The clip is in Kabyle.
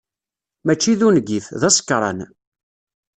Mačči d ungif, d asekṛan.